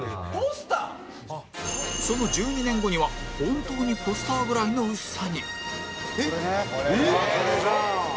その１２年後には本当にポスターぐらいの薄さにえっ？すごっ！